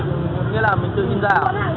tự in ra là mình tự gắn ạ